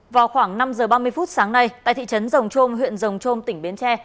vào khoảng năm giờ ba mươi phút sáng nay tại thị trấn rồng trôm huyện rồng trôm tỉnh bến tre